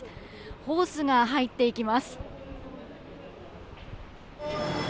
ホースが入っていきます。